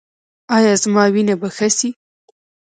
ایا زما وینه به ښه شي؟